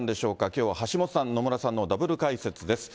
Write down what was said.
きょうは橋下さん、野村さんのダブル解説です。